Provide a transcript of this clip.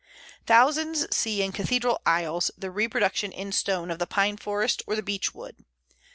Thousands see in cathedral aisles the reproduction in stone of the pine forest or the beech wood.